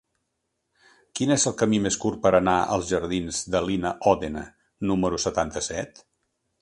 Quin és el camí més curt per anar als jardins de Lina Ódena número setanta-set?